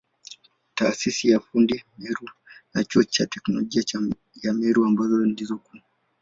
Taasisi ya ufundi Meru na Chuo cha Teknolojia ya Meru ambazo ndizo kuu.